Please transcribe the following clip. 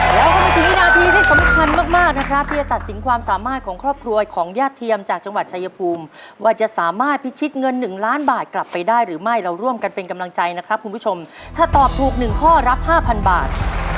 แล้วก็ไปถึงวินาทีที่สำคัญมากมากนะครับที่จะตัดสินความสามารถของครอบครัวของญาติเทียมจากจังหวัดชายภูมิว่าจะสามารถพิชิตเงิน๑ล้านบาทกลับไปได้หรือไม่เราร่วมกันเป็นกำลังใจนะครับคุณผู้ชมถ้าตอบถูกหนึ่งข้อรับ๕๐๐บาท